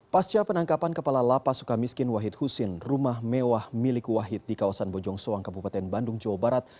pasca penangkapan kepala lapas suka miskin wahid husin rumah mewah milik wahid di kawasan bojong soang kabupaten bandung jawa barat